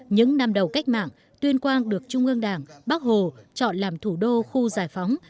những năm đầu cách mạng tuyên quang được trung ương đảng bác hồ chọn làm thủ đô khu giải phóng